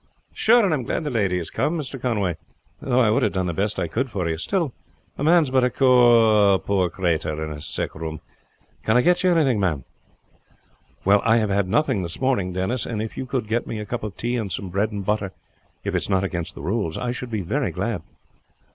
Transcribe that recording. "Sure, and I am glad the lady has come, Mr. Conway; though I would have done the best I could for you. Still, a man is but a poor crater in a sick room. Can I get you anything ma'am?" "Well, I have had nothing this morning, Denis; and if you could get me a cup of tea and some bread and butter, if it is not against the rules, I should be very glad."